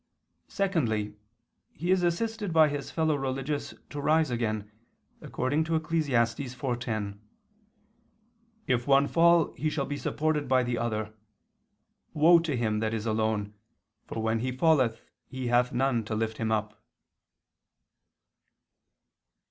'" Secondly, he is assisted by his fellow religious to rise again, according to Eccles. 4:10, "If one fall he shall be supported by the other: woe to him that is alone, for when he falleth he hath none to lift him up."